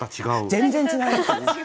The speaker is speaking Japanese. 全然違いますね。